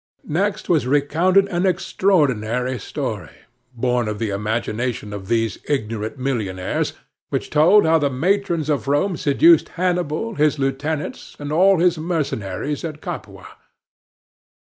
Next was recounted an extraordinary story, born of the imagination of these ignorant millionaires, which told how the matrons of Rome seduced Hannibal, his lieutenants, and all his mercenaries at Capua.